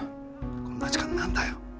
こんな時間に何だよ。